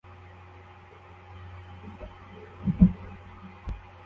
king yakoze abantu batatu piramide